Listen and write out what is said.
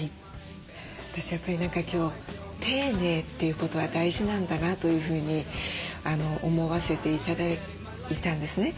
私はやっぱり何か今日丁寧ということは大事なんだなというふうに思わせて頂いたんですね。